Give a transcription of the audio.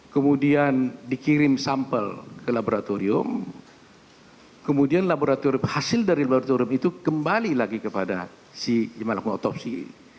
kemudian dikirim sampel ke laboratorium kemudian laboratorium hasil dari laboratorium itu kembali lagi kepada si yang melakukan otopsi